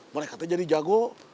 mereka itu jadi jago